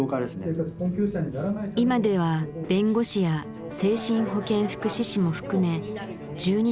今では弁護士や精神保健福祉士も含め１２団体が参加。